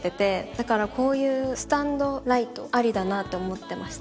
だからこういうスタンドライトありだなと思ってました。